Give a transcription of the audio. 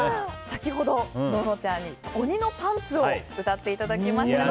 先ほど、ののちゃんに「おにのパンツ」を歌っていただきましたが。